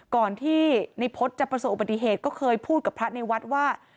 ก่อนที่ในพฤษจะประสบอุบัติเหตุก็เคยพูดกับพระในวัดว่า